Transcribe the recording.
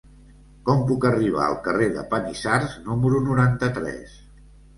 Com puc arribar al carrer de Panissars número noranta-tres?